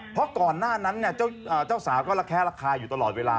เพราะก่อนหน้านั้นเจ้าสาวก็ระแคะระคาอยู่ตลอดเวลา